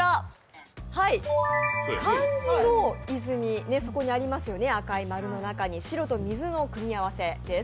漢字の泉ありますよね、赤色の中に白と水の組み合わせです。